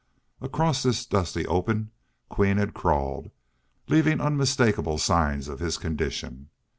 Across this dusty open Queen had crawled, leaving unmistakable signs of his condition.